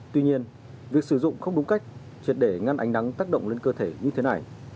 tuy nhiên việc sử dụng không đúng cách triệt để ngăn ánh nắng tác động lên cơ thể như thế này